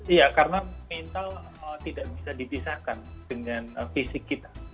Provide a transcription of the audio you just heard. iya karena mental tidak bisa dipisahkan dengan fisik kita